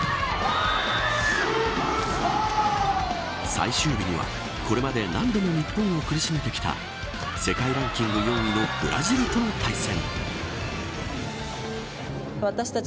最終日には、これまで何度も日本を苦しめてきた世界ランキング４位のブラジルとの対戦。